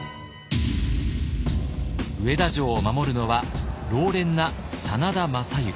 上田城を守るのは老練な真田昌幸。